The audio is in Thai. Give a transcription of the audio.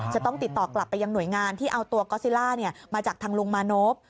จะต้องติดต่อกลับไปยังหน่วยงานที่เอาตัวก๊อซิล่ามาจากทางลุงมานพ